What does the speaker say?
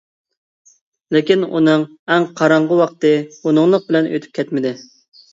لېكىن، ئۇنىڭ ئەڭ قاراڭغۇ ۋاقتى بۇنىڭلىق بىلەن ئۆتۈپ كەتمىدى.